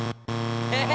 え？